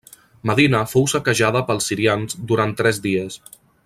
Medina fou saquejada pels sirians durant tres dies.